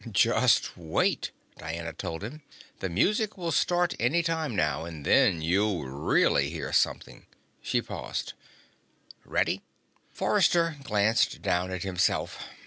"Just wait," Diana told him. "The music will start any time now and then you'll really hear something." She paused. "Ready?" Forrester glanced down at himself.